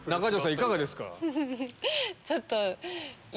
いかがですか？